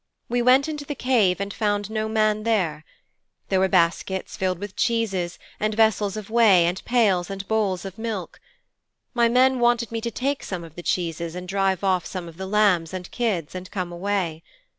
We went into the cave and found no man there. There were baskets filled with cheeses, and vessels of whey, and pails and bowls of milk. My men wanted me to take some of the cheeses and drive off some of the lambs and kids and come away.